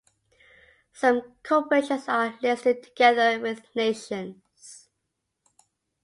Some corporations are listed together with nations.